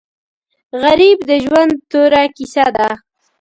غریب د ژوند توره کیسه ده